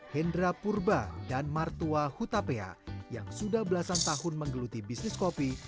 hendra purba dan martua hutapea yang sudah belasan tahun menggeluti bisnis kopi